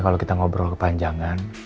kalau kita ngobrol kepanjangan